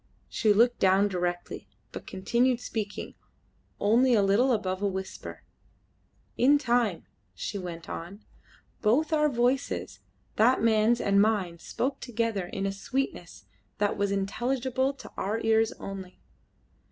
She looked down directly, but continued speaking only a little above a whisper. "In time," she went on, "both our voices, that man's and mine, spoke together in a sweetness that was intelligible to our ears only.